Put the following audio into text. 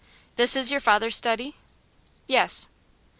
'This is your father's study?' 'Yes.